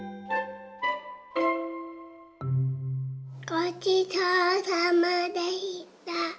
ごちそうさまでした。